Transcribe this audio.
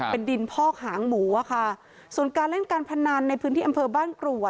เป็นดินพอกหางหมูอ่ะค่ะส่วนการเล่นการพนันในพื้นที่อำเภอบ้านกรัว